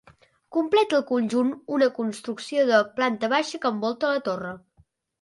Completa el conjunt una construcció de planta baixa que envolta la torre.